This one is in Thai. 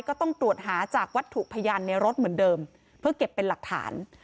ก็ต้องตรวจหาจากวัตถุพยานในรถเหมือนเดิมเพื่อเก็บเป็นหลักฐาน